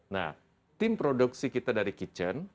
nah tim produksi kita dari kitchen